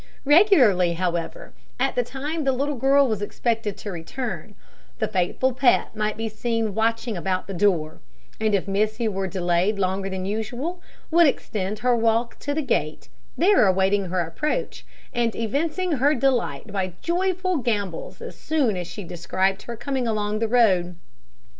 Regularly, however, at the time the little girl was expected to return, the faithful pet might be seen watching about the door; and if Missy were delayed longer than usual, would extend her walk to the gate, there awaiting her approach, and evincing her delight by joyful gambols as soon as she descried her coming along the road.